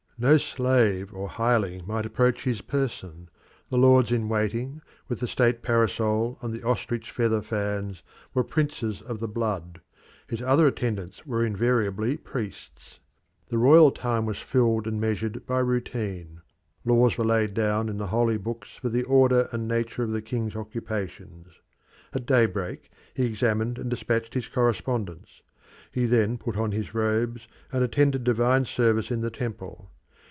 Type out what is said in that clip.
No slave or hireling might approach his person: the lords in waiting, with the state parasol and the ostrich feather fans, were princes of the blood; his other attendants were invariably priests. The royal time was filled and measured by routine: laws were laid down in the holy books for the order and nature of the king's occupations. At daybreak he examined and dispatched his correspondence; he then put on his robes and attended divine service in the temple.